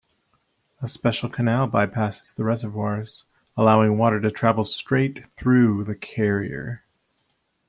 A special canal bypasses the reservoirs allowing water to travel straight through the carrier.